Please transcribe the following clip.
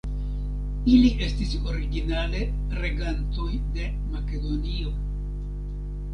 Ili estis originale regantoj de Makedonio.